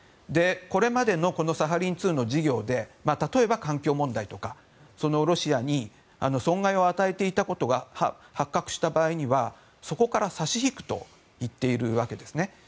これまでのこのサハリン２の事業で例えば環境問題とかロシアに損害を与えていたことが発覚した場合にはそこから差し引くと言っているわけですね。